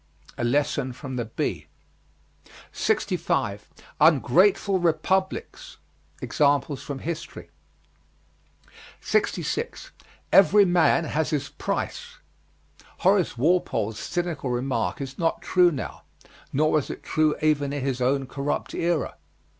A lesson from the bee. 65. UNGRATEFUL REPUBLICS. Examples from history. 66. "EVERY MAN HAS HIS PRICE." Horace Walpole's cynical remark is not true now, nor was it true even in his own corrupt era.